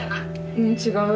ううん違う。